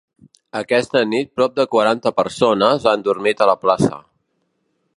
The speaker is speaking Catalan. Aquesta nit prop de quaranta persones han dormit a la plaça.